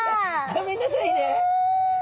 ごめんなさいね。